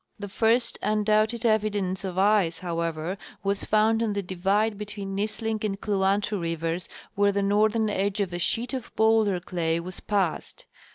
The first undoubted evidence of ice, however, was found on the divide between Nisling and Kluantu rivers, where the northern edge of a sheet of bowlder clay was passed.